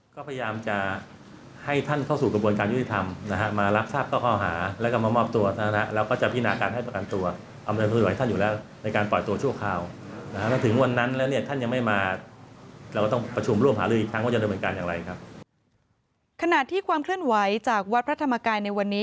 ขณะที่ความเคลื่อนไหวจากวัดพระธรรมกายในวันนี้